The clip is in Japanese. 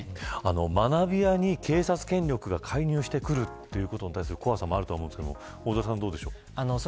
学びやに警察権力が介入してくるということに対する怖さもあると思いますけど大空さんどうでしょう。